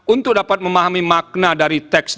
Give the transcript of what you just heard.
untuk dapat memahami makna dari teks